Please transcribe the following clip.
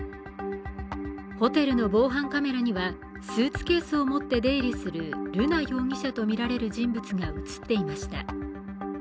ホテルの防犯カメラにはスーツケースを持って出入りする瑠奈容疑者とみられる人物が映っていました。